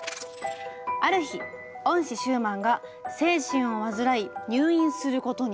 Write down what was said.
ある日恩師シューマンが精神を患い入院することに。